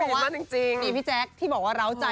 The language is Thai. คือสมินมากจริงเขาบอกว่ามีพี่แจ๊คที่บอกว่าร้าวใจ